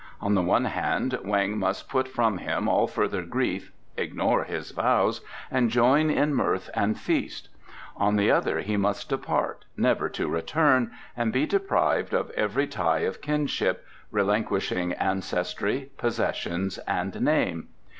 On the one hand Weng must put from him all further grief, ignore his vows, and join in mirth and feast; on the other he must depart, never to return, and be deprived of every tie of kinship, relinquishing ancestry, possessions and name.